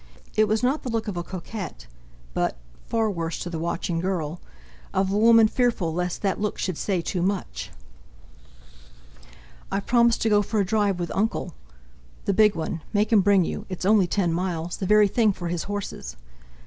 It was not the look of a coquette, but—far worse to the watching girl—of a woman fearful lest that look should say too much. "I've promised to go for a drive with Uncle...." "The big one! Make him bring you; it's only ten miles—the very thing for his horses."